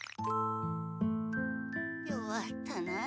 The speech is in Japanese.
弱ったな。